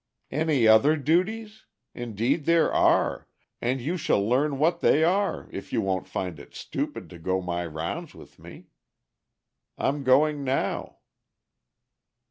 "Any other duties? Indeed there are, and you shall learn what they are, if you won't find it stupid to go my rounds with me. I'm going now."